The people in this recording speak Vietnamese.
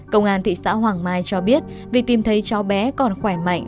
công an thị xã hoàng mai cho biết vì tìm thấy cháu bé còn khỏe mạnh